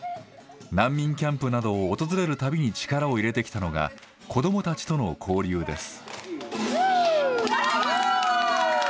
難民キャンプなどを訪れるたびに力を入れてきたのが、子どもたちとの交流です。